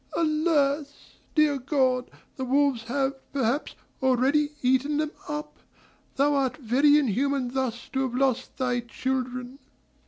Alas! dear God, the wolves have, perhaps, already eaten them up: thou art very inhuman thus to have lost thy children."